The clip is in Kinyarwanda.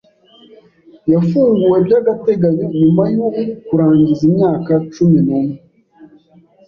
Yafunguwe by'agateganyo nyuma yo kurangiza imyaka cumi n'umwe.